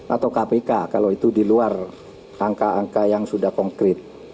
atau kpk kalau itu di luar angka angka yang sudah konkret